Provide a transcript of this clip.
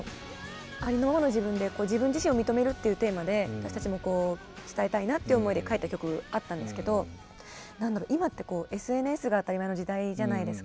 ありのままの自分で自分自身を認めるっていうテーマで私たちも伝えたいなっていう思いで書いた曲あったんですけど今ってＳＮＳが当たり前の時代じゃないですか。